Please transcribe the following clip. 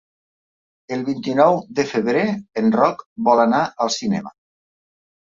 El vint-i-nou de febrer en Roc vol anar al cinema.